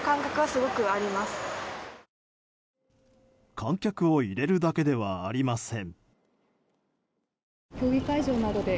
観客を入れるだけではありません。